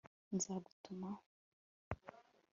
nzagutumaho